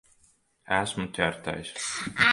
Esmu ķertais.